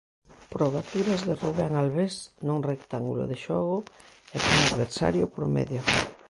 Probaturas de Rubén Albés nun rectángulo de xogo e cun adversario por medio.